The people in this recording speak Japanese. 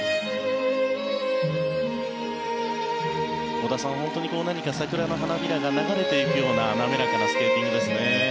織田さん、本当に何か桜の花びらが流れていくような滑らかなスケーティングですね。